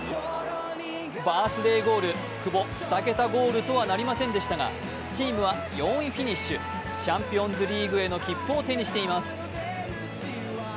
バースデーゴール、久保、２桁ゴールとはなりませんでしたがチームは４位フィニッシュチャンピオンズリーグへの切符を手にしています。